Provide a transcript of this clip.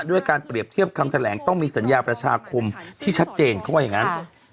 ด้วยการเปรียบเทียบคำแถลงต้องมีสัญญาประชาคมที่ชัดเจนเขาว่าอย่างนั้น